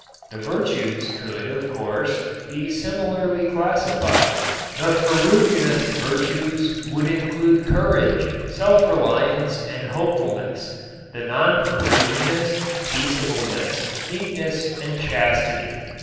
The virtues could, of course, be similarly classified; the ferruginous virtues would include courage, self reliance and hopefulness; the non ferruginous, peaceableness, meekness and chastity.